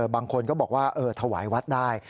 บางคนก็บอกว่าถวายวัดได้